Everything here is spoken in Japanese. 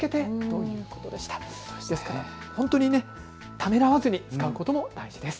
ためらわずに使うことも大事です。